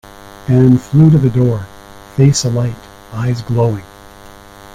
Ann flew to the door, face alight, eyes glowing.